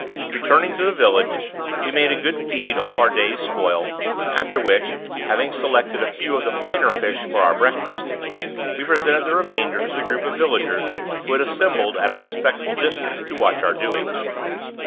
Returning to the village, we made a good feed off our day's spoil, after which, having selected a few of the finer fish for our breakfast, we presented the remainder to the group of villagers who had assembled at a respectful distance to watch our doings.